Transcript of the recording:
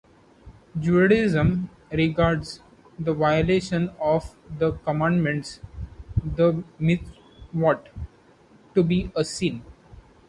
Judaism regards the violation of the commandments, the "mitzvot", to be a sin.